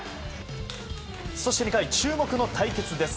そして２回、注目の対決です。